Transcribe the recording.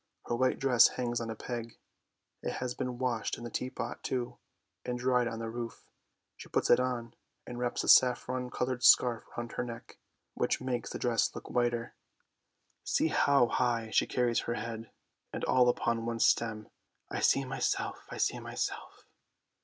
Her white dress hangs on a peg; it has been washed in the teapot, too, and dried on the roof. She puts it on, and wraps a saffron coloured scarf round her neck, which makes the dress look whiter. See how high she carries her head, and all upon one stem. I see myself, I see myself!